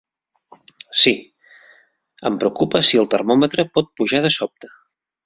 Sí, em preocupa si el termòmetre pot pujar de sobte.